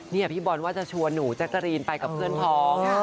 นี่พี่บอลว่าจะชวนหนูแจ๊กกะรีนไปกับเพื่อนพ้อง